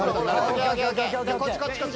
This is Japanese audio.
こっちこっちこっちね。